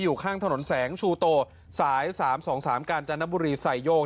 อยู่ข้างถนนแสงชูโตสาย๓๒๓กาญจนบุรีไซโยก